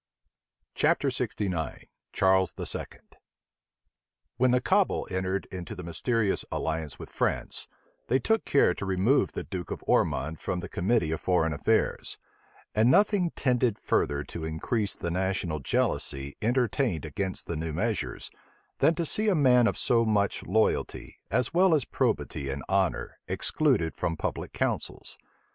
CHAPTER LXIX. CHARLES II. {1681.} When the cabal entered into the mysterious alliance with France, they took care to remove the duke of Ormond from the committee of foreign affairs; and nothing tended further to increase the national jealousy entertained against the new measures, than to see a man of so much loyalty, as well as probity and honor, excluded from public councils.